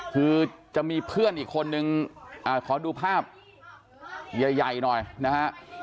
คือจะมีเพื่อนอีกคนนึงขอดูภาพใหญ่หน่อยนะฮะ